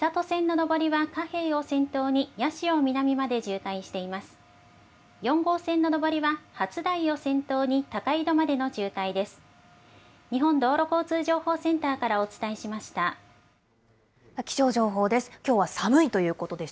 ４号線の上りは初台を先頭に高井戸までの渋滞です。